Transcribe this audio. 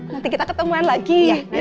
nanti kita ketemuan lagi